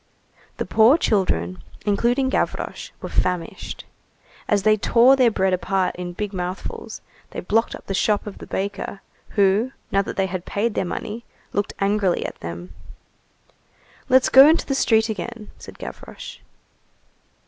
The poor children, including Gavroche, were famished. As they tore their bread apart in big mouthfuls, they blocked up the shop of the baker, who, now that they had paid their money, looked angrily at them. "Let's go into the street again," said Gavroche.